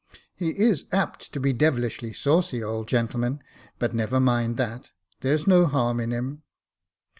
" He is apt to be devilish saucy, old gentleman ; but never mind that, there's no harm in him."